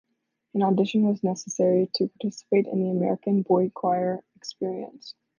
An audition was necessary to participate in The American Boychoir Experience.